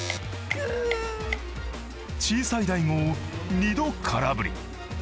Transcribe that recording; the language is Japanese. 小さい大悟を２度空振り。